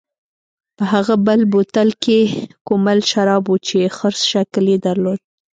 په هغه بل بوتل کې کومل شراب و چې خرس شکل یې درلود.